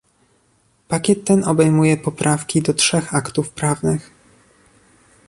Pakiet ten obejmuje poprawki do trzech aktów prawnych